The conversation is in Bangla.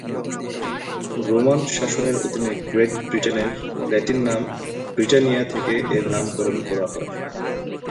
রোমান শাসনের অধীনে গ্রেট ব্রিটেনের ল্যাটিন নাম ব্রিটানিয়া থেকে এর নামকরণ করা হয়।